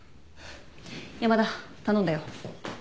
山田頼んだよ。